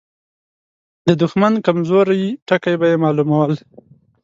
د دښمن کمزوري ټکي به يې مالومول.